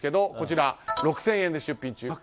こちら、６０００円で出品中。